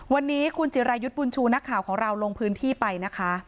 วันนี้คุณจิรายุทธ์บุญชูนักข่าวของเราลงพื้นที่ไปนะคะ